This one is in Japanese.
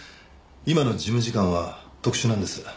今の事務次官は特殊なんです。